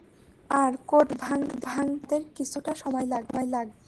আর code ভাঙতে আমাদের কিছুটা সময় লাগবে।